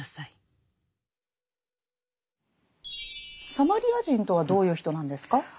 サマリア人とはどういう人なんですか？